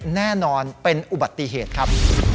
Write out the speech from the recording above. แน่นอนเป็นอุบัติเหตุครับ